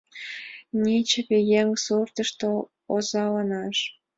Нечыве еҥ суртышто озаланаш!